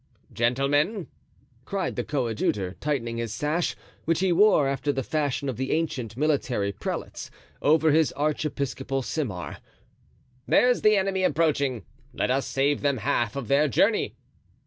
"Gentlemen," cried the coadjutor, tightening his sash, which he wore, after the fashion of the ancient military prelates, over his archiepiscopal simar, "there's the enemy approaching. Let us save them half of their journey."